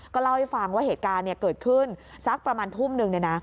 เล่าให้ฟังว่าเหตุการณ์เกิดขึ้นสักประมาณทุ่มหนึ่ง